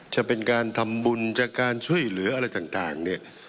จะเป็นการทำบุญจากการช่วยหรืออะไรทาง